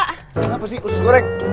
kenapa sih khusus goreng